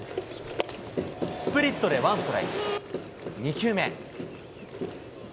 スプリットでワンストライク。